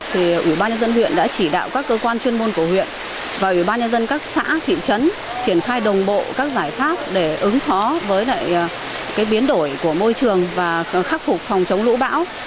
thì ủy ban nhân dân huyện đã chỉ đạo các cơ quan chuyên môn của huyện và ủy ban nhân dân các xã thị trấn triển khai đồng bộ các giải pháp để ứng phó với lại cái biến đổi của môi trường và khắc phục phòng chống lũ bão